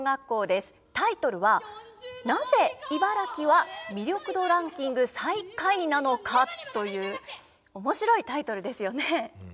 タイトルは「なぜ茨城は魅力度ランキング最下位なのか？」という面白いタイトルですよね。